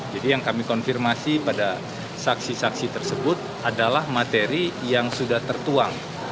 jadi yang kami konfirmasi pada saksi saksi tersebut adalah materi yang sudah tertuang